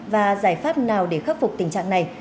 và giải pháp nào để khắc phục tình trạng này